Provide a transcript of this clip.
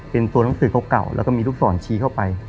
เป็นตัวหนังสือเก่าแล้วก็มีลูกศรชี้เข้าไป